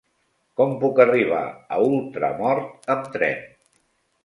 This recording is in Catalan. Com puc arribar a Ultramort amb tren?